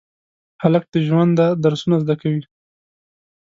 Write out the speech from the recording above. هلک د ژونده درسونه زده کوي.